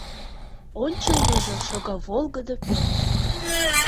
Ончылныжо шога волгыдо пӧрт.